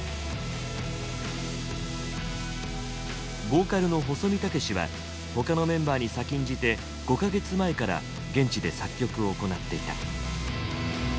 ボーカルの細美武士は他のメンバーに先んじて５か月前から現地で作曲を行っていた。